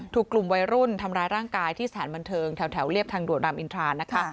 ถูกกลุ่มวัยรุ่นทำร้ายร่างกายที่สถานบันเทิงแถวเรียบทางด่วนรามอินทรานะคะ